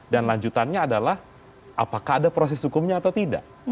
dan lanjutannya adalah apakah ada proses hukumnya atau tidak